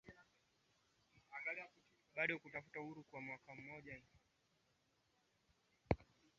bado kutafuta uhuru Mwaka elfumoja miasaba sabini na tano